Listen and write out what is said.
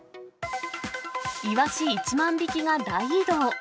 イワシ１万匹が大移動。